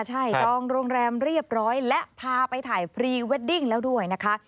ใช่จองโรงแรมเรียบร้อยและพาไปถ่ายพรีเวดดิ้งแล้วด้วยนะคะ